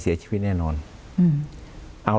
คุณจอมขอบพระคุณครับ